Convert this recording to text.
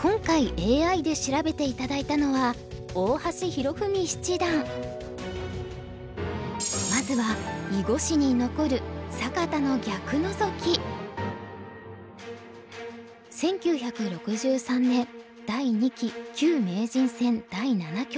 今回ＡＩで調べて頂いたのはまずは囲碁史に残る１９６３年第２期旧名人戦第七局。